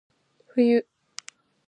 冬